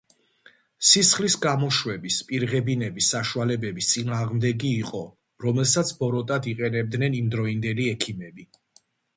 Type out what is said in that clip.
სისხლის გამოშვების, პირღებინების საშუალებების წინააღმდეგი იყო, რომელსაც ბოროტად იყენებდნენ იმდროინდელი ექიმები.